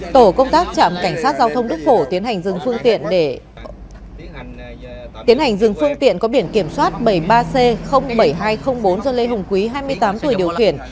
tổ công tác trạm cảnh sát giao thông đức phổ tiến hành dừng phương tiện có biển kiểm soát bảy mươi ba c bảy nghìn hai trăm linh bốn do lê hồng quý hai mươi tám tuổi điều khiển